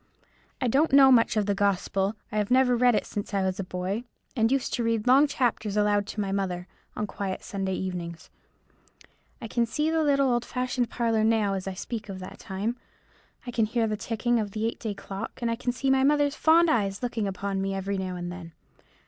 I don't know much of the gospel; I have never read it since I was a boy, and used to read long chapters aloud to my mother, on quiet Sunday evenings; I can see the little old fashioned parlour now as I speak of that time; I can hear the ticking of the eight day clock, and I can see my mother's fond eyes looking up at me every now and then.